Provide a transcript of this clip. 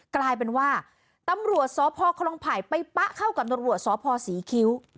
กลายเป็นว่าตำรวจสพคลองไผ่ไปปะเข้ากับตำรวจสพศรีคิ้ว